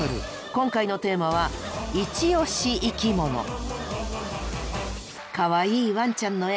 今回のテーマはかわいいワンちゃんの絵。